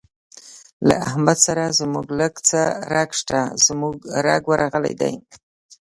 له حمد سره زموږ لږ څه رګ شته، زموږ رګ ورغلی دی.